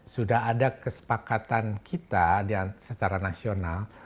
sudah ada kesepakatan kita secara nasional